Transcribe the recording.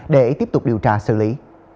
để tiếp tục điều tra xử lý